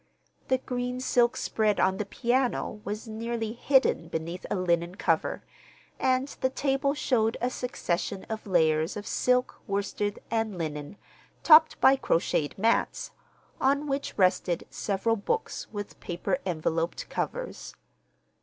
The green silk spread on the piano was nearly hidden beneath a linen cover, and the table showed a succession of layers of silk, worsted, and linen, topped by crocheted mats, on which rested several books with paper enveloped covers.